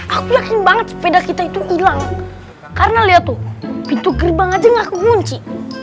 aku yakin banget sepeda kita itu hilang karena lihat tuh pintu gerbang aja yang aku kunci